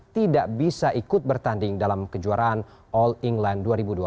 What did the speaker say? tidak bisa ikut bertanding dalam kejuaraan all england dua ribu dua puluh